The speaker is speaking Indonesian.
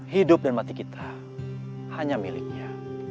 hidup dan mati kita hanya miliknya